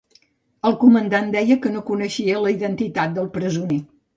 El comandant deia que no coneixien la identitat del presoner.